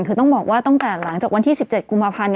คือต้องบอกว่าตั้งแต่หลังจากวันที่๑๗กุมภาพันธ์